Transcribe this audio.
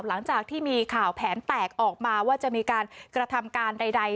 หลังจากที่มีข่าวแผนแตกออกมาว่าจะมีการกระทำการใด